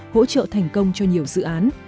hỗ trợ thành công cho nhiều dự án